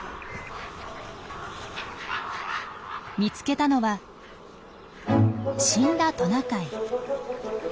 見つけたのは死んだトナカイ。